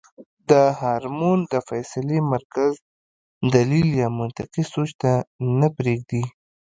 دا هارمون د فېصلې مرکز دليل يا منطقي سوچ ته نۀ پرېږدي -